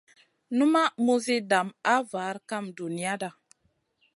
Numaʼ muzi dam a var kam duniyada.